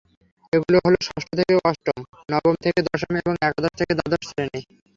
এগুলো হলো—ষষ্ঠ থেকে অষ্টম, নবম থেকে দশম এবং একাদশ থেকে দ্বাদশ শ্রেণি।